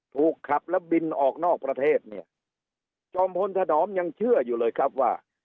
ถูกขับแล้วบินออกนอกประเทศเนี่ยจอมพลถนอมยังเชื่ออยู่เลยครับว่า